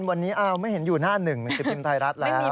วันนี้ไม่เห็นอยู่หน้าหนึ่งหนังสือพิมพ์ไทยรัฐแล้ว